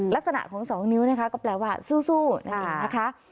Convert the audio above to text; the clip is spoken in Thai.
ลักษณะของ๒นิ้วนะคะก็แปลว่าสู้นั่นเองนะคะ